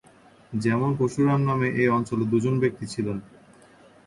যেমন পরশুরাম নামে এ অঞ্চলে দুজন ব্যক্তি ছিলেন।